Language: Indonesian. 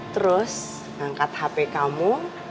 terus ngangkat hp kamu